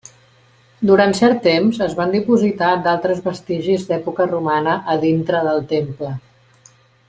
Durant cert temps, es van dipositar d'altres vestigis d'època romana a dintre del temple.